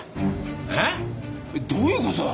えっ！？どういう事だ？